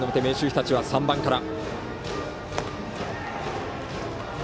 日立は３番から。